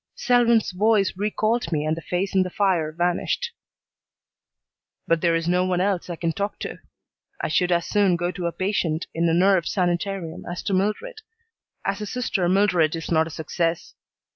Selwyn's voice recalled me and the face in the fire vanished. "But there is no one else I can talk to. I should as soon go to a patient in a nerve sanitarium as to Mildred. As a sister Mildred is not a success.